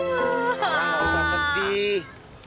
gak usah sedih